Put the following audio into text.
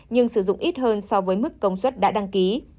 nhưng sử dụng ít hơn so với mức công suất đã đăng ký